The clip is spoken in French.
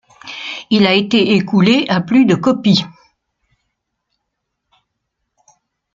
Il a été écoulé à plus de copies.